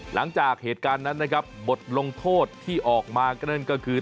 หลังจากเหตุการณ์นั้นนะครับบทลงโทษที่ออกมาก็นั่นก็คือ